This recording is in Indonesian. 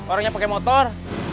orangnya pake motor